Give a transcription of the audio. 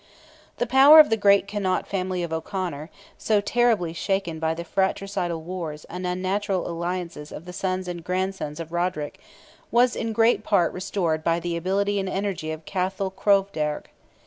The power of the great Connaught family of O'Conor, so terribly shaken by the fratricidal wars and unnatural alliances of the sons and grandsons of Roderick, was in great part restored by the ability and energy of Cathal Crovdearg.